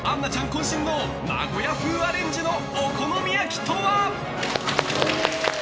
渾身の名古屋風アレンジのお好み焼きとは？